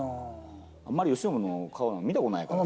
あんまり由伸の顔なんて、見たことないからね。